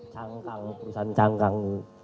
cangkang perusahaan cangkang